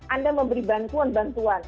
anda memberi bantuan bantuan